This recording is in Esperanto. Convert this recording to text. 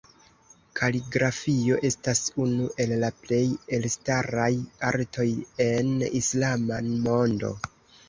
Kaligrafio estas unu el la plej elstaraj artoj en islama mondo.